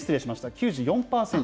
９４％。